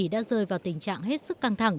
đã rơi vào tình trạng hết sức căng thẳng